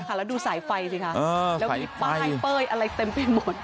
แล้วดูสายไฟสิคะแล้วมีป้ายเป้ยอะไรเต็มไปหมด